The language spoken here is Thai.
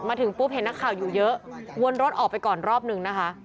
มาถึงปุ๊บเห็นนักข่าวอยู่เยอะวนรถออกไปก่อนรอบนึงนะคะ